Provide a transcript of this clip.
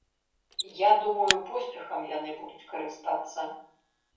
Я думаю, поспехам яны будуць карыстацца.